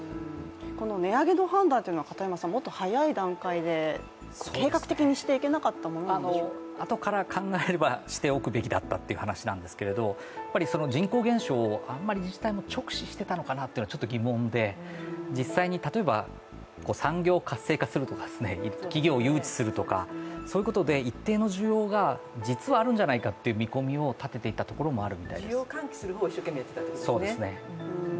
値上げの判断というのは、もっと早い段階で計画的にしていけなかったものなんでしょうかあとから考えればしておくべきだったという話なんですけど人口減少、あまり自治体も直視していたのかなというのは疑問で、実際に、例えば産業を活性化するとか、企業を誘致するとか、そういうことで一定の需要が、実はあるんじゃないかという見込みを立てていたというのもあると思います需要を喚起する方を一生懸命やっていたということですね。